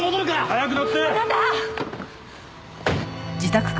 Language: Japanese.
早く乗って！